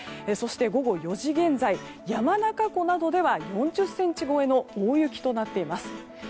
そして、午後４時現在山中湖などでは４０ｃｍ超えの大雪となっています。